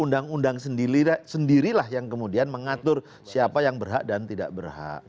undang undang sendirilah yang kemudian mengatur siapa yang berhak dan tidak berhak